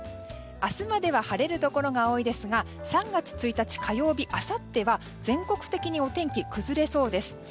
明日までは晴れるところが多いですが３月１日、火曜日のあさっては全国的にお天気が崩れそうです。